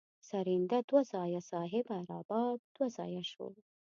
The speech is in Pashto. سرینده دوه ځایه صاحبه رباب دوه ځایه شو.